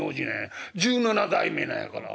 １７代目なんやから。